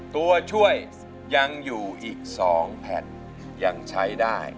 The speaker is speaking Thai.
ตัวช่วยยังอยู่อีก๒แผ่นยังใช้ได้